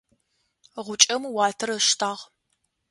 Гъукӏэм уатэр ыштагъ.